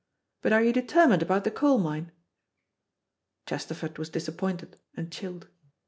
But are you determined about the coal mine?" Chesterford was disappointed and chilled.